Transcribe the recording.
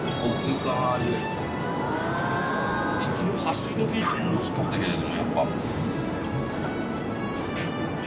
行きのハッシュドビーフもおいしかったけどもやっぱ。